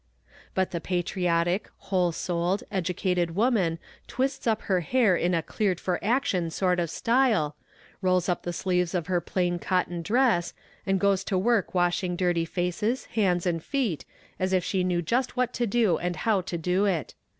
But the patriotic, whole souled, educated woman twists up her hair in a "cleared for action" sort of style, rolls up the sleeves of her plain cotton dress, and goes to work washing dirty faces, hands and feet, as if she knew just what to do and how to do it.